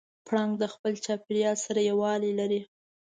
پړانګ د خپل چاپېریال سره یووالی لري.